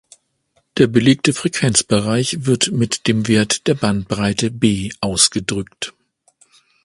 Der belegte Frequenzbereich wird mit dem Wert der Bandbreite "B" ausgedrückt.